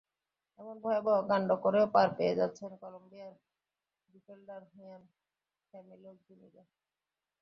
এমন ভয়াবহ কাণ্ড করেও পার পেয়ে যাচ্ছেন কলম্বিয়ান ডিফেন্ডার হুয়ান ক্যামিলো জুনিগা।